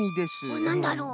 おっなんだろう？